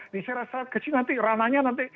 di sara sara kecil nanti rananya nanti